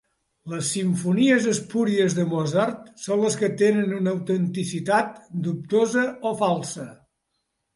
Les simfonies espúries de Mozart són les que tenen una autenticitat dubtosa o falsa.